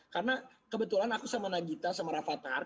karena kebetulan aku sama nagita sama raffa tark